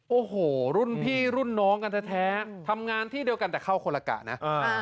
โอ้โหรุ่นพี่รุ่นน้องกันแท้ทำงานที่เดียวกันแต่เข้าคนละกะนะ